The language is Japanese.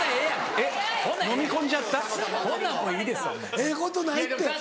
ええことないって。